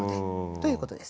ということです。